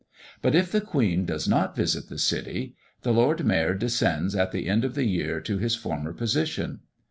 But if the Queen does not visit the City, the Lord Mayor descends at the end of the year to his former position.